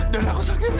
dara aku sakit